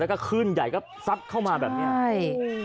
แล้วก็ขึ้นใหญ่ซักเข้ามาแบบนี้